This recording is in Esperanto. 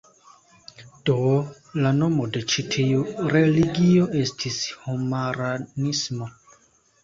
Do, la nomo de ĉi tiu religio estis Homaranismo.